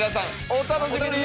お楽しみに！